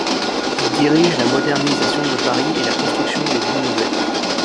Il dirige la modernisation de Paris et la construction des villes nouvelles.